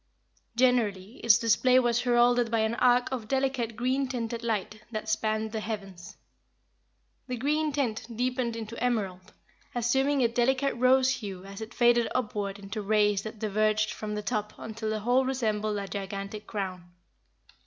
Generally, its display was heralded by an arc of delicate green tinted light, that spanned the heavens. The green tint deepened into emerald, assuming a delicate rose hue as it faded upward into rays that diverged from the top until the whole resembled a gigantic crown.